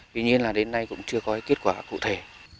tuy nhiên là đến nay cũng chưa có kết quả cụ thể